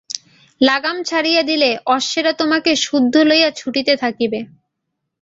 লাগাম ছাড়িয়া দিলে অশ্বেরা তোমাকে সুদ্ধ লইয়া ছুটিতে থাকিবে।